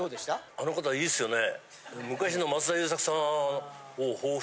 あの方いいですよね。